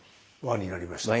輪になりました。